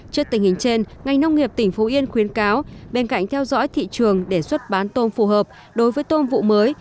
trước tình hình trên ngành nông nghiệp tỉnh phú yên khuyến cáo bên cạnh theo dõi thị trường để xuất bán tôm phù hợp đối với tôm vụ mới